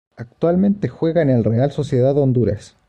Actualmente juega en el Real Sociedad de Honduras.